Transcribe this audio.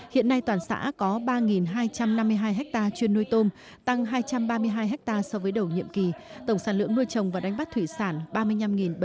hiện nay toàn xã có ba hai trăm năm mươi hai ha chuyên nuôi tôm tăng hai trăm ba mươi hai ha so với đầu nhiệm kỳ tổng sản lượng nuôi trồng và đánh bắt thủy sản ba mươi năm bảy trăm linh tấn